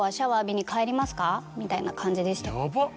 みたいな感じでしたよ。